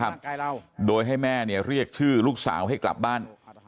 เริ่มทำพิธีนะครับโดยให้แม่เรียกชื่อลูกสาวให้กลับบ้าน